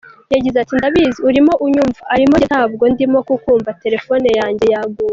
Yagize ati "Ndabizi urimo unyumva arimo njye ntabwo ndimo kukumva telefone yanjye yaguye.